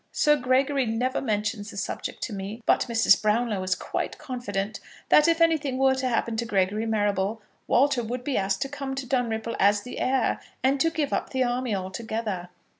Sir Gregory never mentions the subject to me, but Mrs. Brownlow is quite confident that if anything were to happen to Gregory Marrable, Walter would be asked to come to Dunripple as the heir, and to give up the army altogether.